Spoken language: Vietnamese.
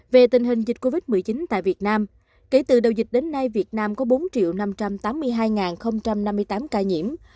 về tình hình dịch covid một mươi chín tại việt nam kể từ đầu dịch đến nay việt nam có bốn năm trăm tám mươi hai năm mươi tám ca nhiễm